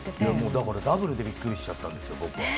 だからダブルでびっくりしちゃったんですよ、僕は。